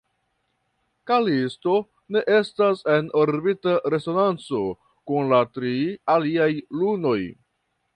Kalisto ne estas en orbita resonanco kun la tri aliaj lunoj.